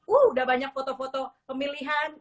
udah banyak foto foto pemilihan